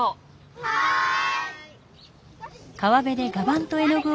はい。